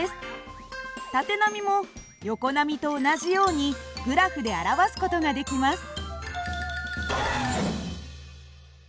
縦波も横波と同じようにグラフで表す事ができます。